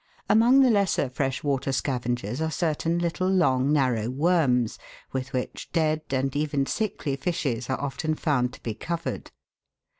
Among the lesser fresh water scavengers are certain little long, narrow worms, with which dead, and even sickly fishes are often found to be covered.